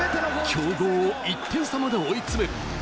強豪を１点差まで追い詰める。